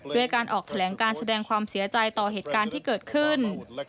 ด้วยการออกแถลงการแสดงความเสียใจต่อเหตุการณ์ที่เกิดขึ้น